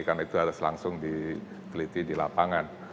karena itu harus langsung diteliti di lapangan